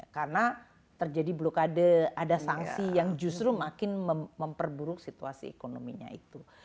karena terjadi blokade ada sanksi yang justru makin memperburuk situasi ekonominya itu